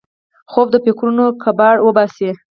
خوب د فکرونو کباړ وباسي